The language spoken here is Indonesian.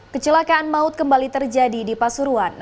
kecelakaan maut kembali terjadi di pasuruan